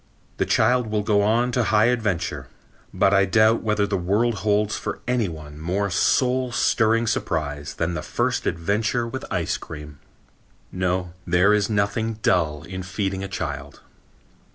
The child will go on to high adventure, but I doubt whether the world holds for any one more soul stirring surprise than the first adventure with ice cream. No, there is nothing dull in feeding a child.